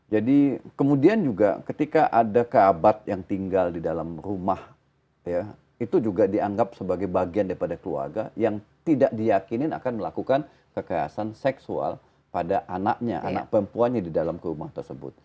jadi kemudian juga ketika ada keabad yang tinggal di dalam rumah itu juga dianggap sebagai bagian daripada keluarga yang tidak diyakinin akan melakukan kekerasan seksual pada anaknya anak perempuannya di dalam rumah tersebut